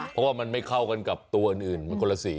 เพราะว่ามันไม่เข้ากันกับตัวอื่นมันคนละสี